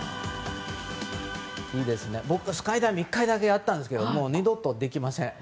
僕、スカイダイビング１回だけやったんですけど二度とできません。